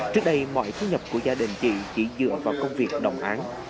trước đây mọi thu nhập của gia đình chị chỉ dựa vào công việc đồng án